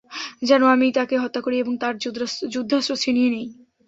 যেন আমি তাকে হত্যা করি এবং তার যুদ্ধাস্ত্র ছিনিয়ে নেই।